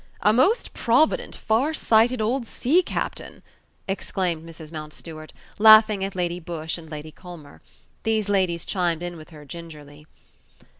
"A most provident, far sighted old sea captain!" exclaimed Mrs. Mountstuart, laughing at Lady Busshe and Lady Culmer. These ladies chimed in with her gingerly.